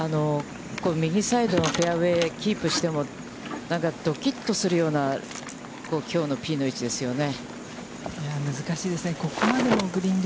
右サイドのフェアウェイキープしても、どきっとするようなきょうのピンの位置ですよね。